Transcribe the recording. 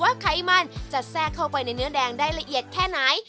ไขมันจะแทรกเข้าไปในเนื้อแดงได้ละเอียดแค่ไหน